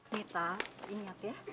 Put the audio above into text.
nita ingat ya